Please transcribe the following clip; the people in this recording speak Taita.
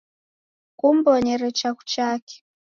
Kumw'onyere chaghu chake.